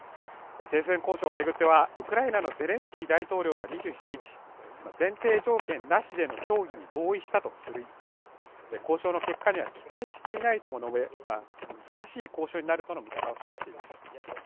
停戦交渉をめぐってはウクライナのゼレンスキー大統領が２７日前提条件なしでの協議に合意したとする一方交渉の結果には期待していないとも述べ難しい交渉になるとの見方を示しています